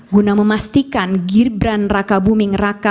guna memastikan gibran raka buming raka